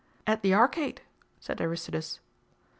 "At the Arcade," said Aristides.